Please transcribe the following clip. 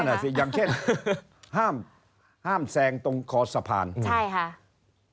อ่ะสิอย่างเช่นห้ามห้ามแซงตรงคอสะพานใช่ค่ะ